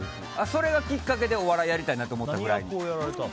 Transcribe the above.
それがきっかけでお笑いやりたいなと思ったくらい。